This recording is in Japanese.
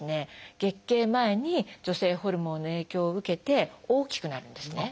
月経前に女性ホルモンの影響を受けて大きくなるんですね。